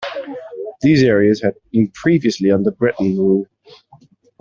These areas had been previously under Breton rule.